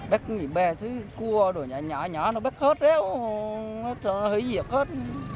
bách mì bè thứ cua đồ nhỏ nhỏ nó bách hết đấy nó hủy diệt hết